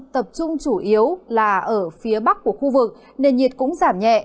tập trung chủ yếu là ở phía bắc của khu vực nền nhiệt cũng giảm nhẹ